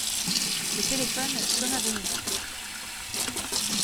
Le téléphone sonna de nouveau.